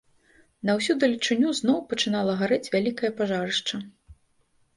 На ўсю далечыню зноў пачынала гарэць вялікае пажарышча.